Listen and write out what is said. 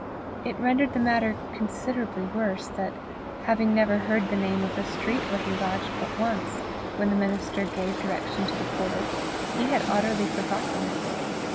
It rendered the matter considerably worse that, having never heard the name of the street where he lodged but once when the minister gave direction to the porter, he had utterly forgotten it.